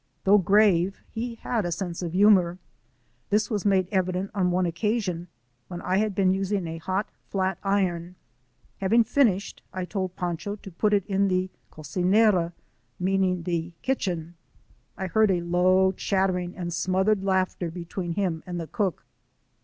Though grave, he had a sense of humor. This was made evident, on one occasion, when I had been using a hot flat iron. Having finished, I told Pancho to put it in the cocincra, meaning the kitchen. I heard a low chattering and smothered laughter between him and the cook.